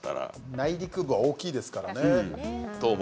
内陸部は大きいですからね。